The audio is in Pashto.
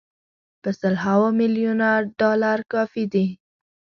په سل هاوو میلیونه ډالر کافي دي.